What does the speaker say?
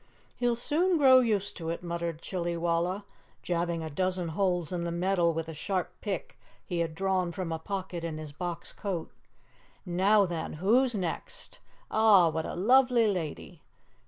"He'll soon grow used to it," muttered Chillywalla, jabbing a dozen holes in the metal with a sharp pick he had drawn from a pocket in his box coat. "Now, then, who's next? Ah! What a lovely lady!"